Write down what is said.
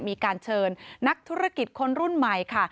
มีการเชิญนักธุรกิจคนรุ่นใหม่ค่ะ